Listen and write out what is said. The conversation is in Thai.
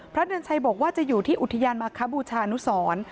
เดือนชัยบอกว่าจะอยู่ที่อุทยานมาคบูชานุสร